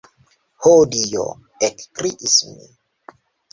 Ho Dio! ekkriis mi.